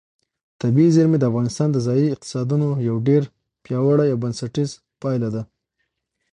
طبیعي زیرمې د افغانستان د ځایي اقتصادونو یو ډېر پیاوړی او بنسټیز پایایه دی.